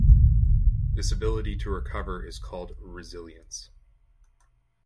This ability to recover is called resilience.